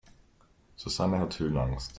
Susanne hat Höhenangst.